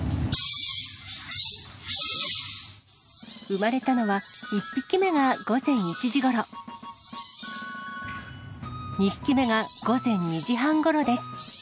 産まれたのは、１匹目が午前１時ごろ、２匹目が午前２時半ごろです。